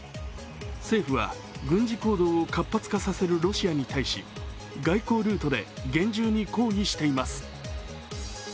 政府は軍事行動を活発化させるロシアに対し、外交ルートで厳重に抗議しています。